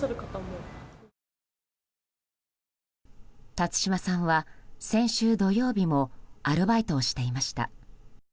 辰島さんは先週土曜日もアルバイトをしていました。